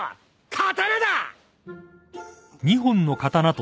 刀だ！